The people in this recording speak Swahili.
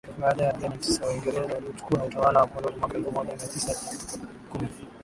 baadaye Bremen Tisa Waingereza waliochukua utawala wa koloni mwaka elfu moja mia tisa kumi